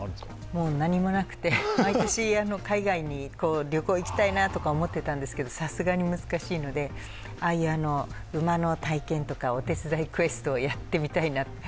もう何もなくて、毎年、海外に旅行に行きたいと思っていたんですがさすがに難しいので、馬の体験などお手伝いクエストをやってみたいなと。